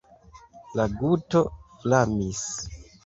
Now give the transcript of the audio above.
La guto flamis.